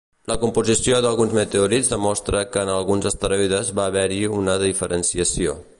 La composició d'alguns meteorits demostra que en alguns asteroides va haver-hi una diferenciació.